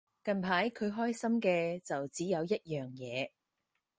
近排佢關心嘅就只有一樣嘢